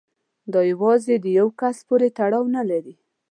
دا یوازې د یو کس پورې نه تړاو لري.